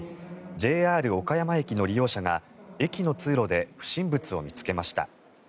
ＪＲ岡山駅の利用者が駅の通路で不審物を見つけました。